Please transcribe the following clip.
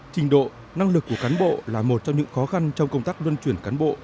trình độ năng lực của cán bộ là một trong những khó khăn trong công tác luân chuyển cán bộ